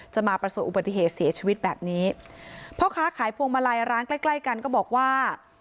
มาประสบอุบัติเหตุเสียชีวิตแบบนี้พ่อค้าขายพวงมาลัยร้านใกล้ใกล้กันก็บอกว่า